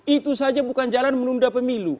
itu saja bukan jalan menunda pemilu